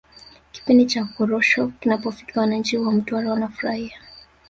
kipindi cha korosho kinapofika wananchi wa mtwara wanafurahia